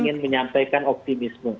kami ingin menyampaikan optimisme